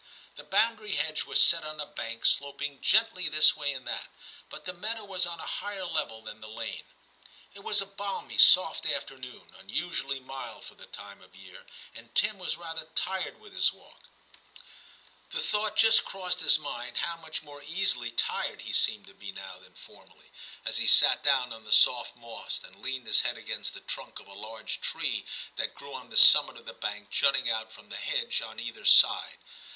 The boundary hedge was set on a bank sloping gently this way and that, but the meadow was on a higher level than the lane. It was a balmy soft afternoon, unusu ally mild for the time of year, and Tim was rather tired with his walk ; the thought just crossed his mind, how much more easily tired he seemed to be now than formerly, as 264 TIM CHAP. he sat down on the soft moss and leaned his head against the trunk of a large tree that grew on the summit of the bank, jutting out from the hedge on either side.